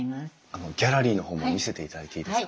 あのギャラリーの方も見せていただいていいですか？